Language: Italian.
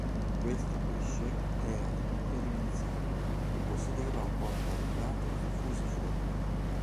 Questo pesce era di piccole dimensioni, e possedeva un corpo allungato e fusiforme.